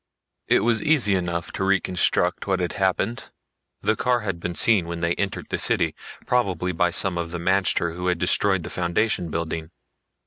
It was easy enough to reconstruct what had happened. The car had been seen when they entered the city probably by some of the magter who had destroyed the Foundation building.